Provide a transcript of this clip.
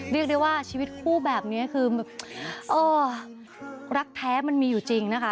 เรียกได้ว่าชีวิตคู่แบบนี้คือแบบเออรักแท้มันมีอยู่จริงนะคะ